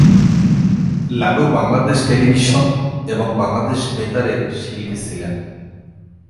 Lalu Bangladesh television এবং বাংলাদেশ বেতারের শিল্পী ছিলেন।